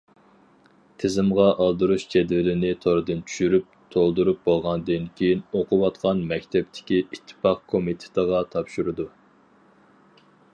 تىزىمغا ئالدۇرۇش جەدۋىلىنى توردىن چۈشۈرۈپ، تولدۇرۇپ بولغاندىن كېيىن ئوقۇۋاتقان مەكتەپتىكى ئىتتىپاق كومىتېتىغا تاپشۇرىدۇ.